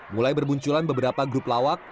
mulai bermunculan beberapa grup lawak